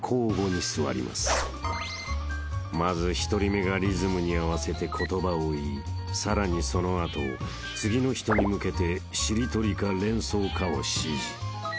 ［まず１人目がリズムに合わせて言葉を言いさらにその後次の人に向けてしりとりか連想かを指示］